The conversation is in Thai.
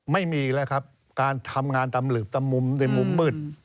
ไม่มีแล้วครับการทำงานตำหลืบตามมุมในมุมมืด